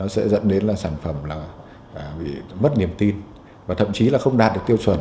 sẽ dẫn đến sản phẩm mất niềm tin và thậm chí không đạt được tiêu chuẩn